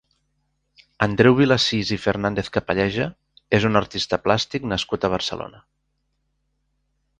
Andreu Vilasís i Fernàndez-Capalleja és un artista plàstic nascut a Barcelona.